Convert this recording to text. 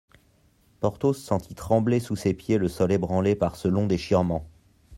Porthos sentit trembler sous ses pieds le sol ébranlé par ce long déchirement.